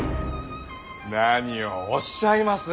何をおっしゃいます。